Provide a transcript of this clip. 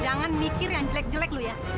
jangan mikir yang jelek jelek loh ya